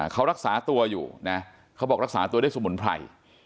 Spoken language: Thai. เขารักษาตัวอยู่นะเขาบอกรักษาตัวด้วยสมุนไพร